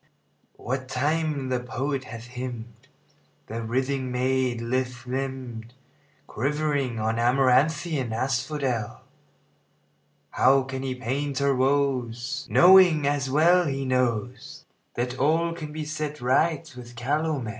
What time the poet hath hymned The writhing maid, lithe limbed, Quivering on amaranthine asphodel, How can he paint her woes, Knowing, as well he knows, That all can be set right with calomel?